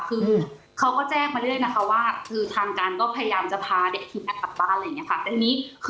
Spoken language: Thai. คือเขาก็แจ้งมาเรื่อยนะคะว่าคือทางการก็พยายามจะพาเด็กทีมนั้นกลับบ้านอะไรอย่างนี้ค่ะ